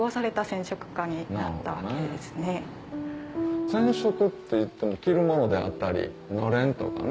染色っていっても着るものであったりのれんとか